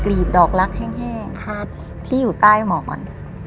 กลีบดอกลักษณ์แห้งแห้งครับที่อยู่ใต้หมอนอืม